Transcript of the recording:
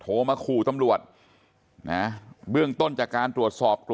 โทรมาขู่ตำรวจนะเบื้องต้นจากการตรวจสอบ